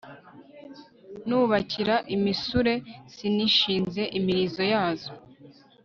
nubakira imisure sinishinze imilizo yazo